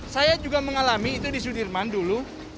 saya juga mengalami itu di sudirman dulu